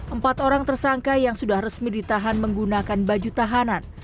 empat orang tersangka yang sudah resmi ditahan menggunakan baju tahanan